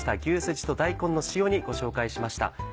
「牛すじと大根の塩煮」ご紹介しました。